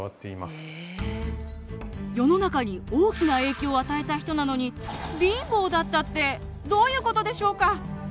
世の中に大きな影響を与えた人なのに貧乏だったってどういうことでしょうか？